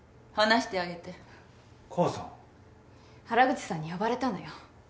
原口さんに呼ばれたのよ